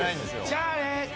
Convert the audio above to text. じゃあね！